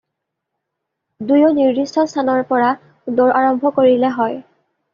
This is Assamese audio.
দুয়ো নিৰ্দিষ্ট স্থানৰ পৰা দৌৰ আৰম্ভ কৰিলে হয়।